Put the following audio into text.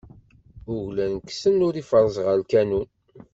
Uglan kksen, ur ifeṛṛez ɣer lkanun.